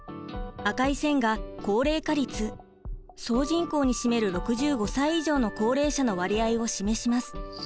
赤い線が高齢化率総人口に占める６５歳以上の高齢者の割合を示します。